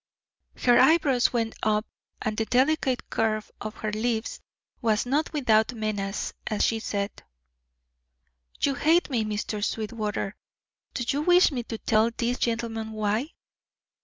Her eyebrows went up and the delicate curve of her lips was not without menace as she said: "You hate me, Mr. Sweetwater. Do you wish me to tell these gentlemen why?"